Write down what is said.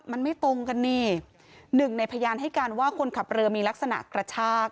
มันไม่ตรงกันนี่หนึ่งในพยานให้การว่าคนขับเรือมีลักษณะกระชาก